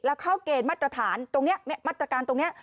แล้วเข้าเกณฑ์มาตรฐานตรงนี้มาตรการตรงนี้